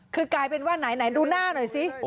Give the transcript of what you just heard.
คือกลายเป็นว่าไหนดูหน้าหน่อยสิ